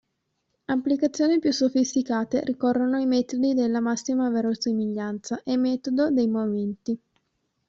Applicazioni più sofisticate ricorrono ai metodi della massima verosimiglianza e metodo dei momenti.